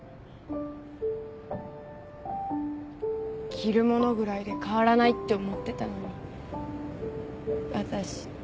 着るものぐらいで変わらないって思ってたのに私。